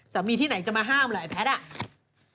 สามีที่ไหนจะมาห้ามล่ะไอ้แพทนับประพา